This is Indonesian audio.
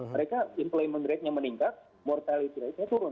mereka implement rate nya meningkat mortality rate nya turun